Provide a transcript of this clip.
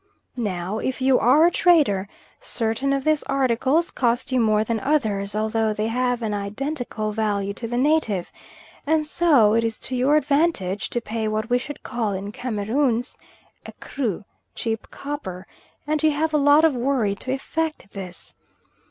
Now, if you are a trader, certain of these articles cost you more than others, although they have an identical value to the native, and so it is to your advantage to pay what we should call, in Cameroons, "a Kru, cheap copper," and you have a lot of worry to effect this.